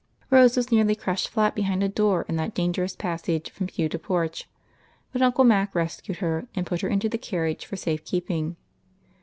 Rose was nearly crushed flat behind a door in that danger ous passage from pew to porch ; but Uncle Mac res cued her, and jDut her into the carriage for safe keeping.